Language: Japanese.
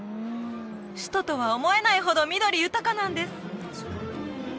首都とは思えないほど緑豊かなんです